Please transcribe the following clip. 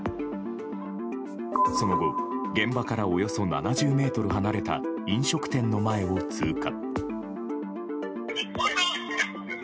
その後現場からおよそ７０ｍ離れた飲食店の前を通過。